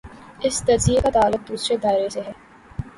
اس تجزیے کا تعلق دوسرے دائرے سے ہے۔